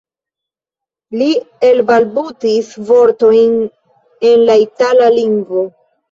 Li elbalbutis vortojn en la itala lingvo.